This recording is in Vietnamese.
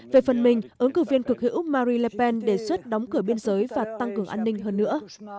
về phần mình ứng cử viên cực hữu marie le pen đề xuất đóng cửa biên giới và tăng cường an ninh hơn nữa